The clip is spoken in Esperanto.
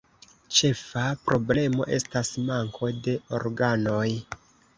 Ĉefa problemo estas manko de organoj.